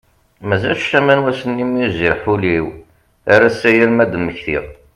Mazal ccama n wass-nni mi tejreḥ ul-iw ar ass-a yal mi ad d-mmektiɣ.